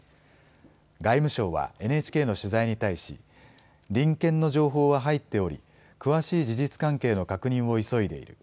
外務省はＮＨＫの取材に対し、臨検の情報は入っており、詳しい事実関係の確認を急いでいる。